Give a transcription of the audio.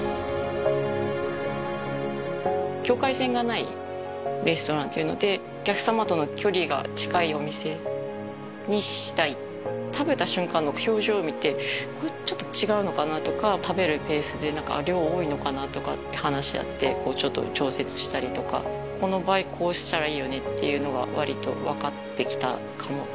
境界線がないレストランっていうのでお客様との距離が近いお店にしたい食べた瞬間の表情を見て「これちょっと違うのかな」とか食べるペースで何か「あ量多いのかな」とか話し合ってこうちょっと調節したりとか「この場合こうしたらいいよね」っていうのがわりとわかってきたかも？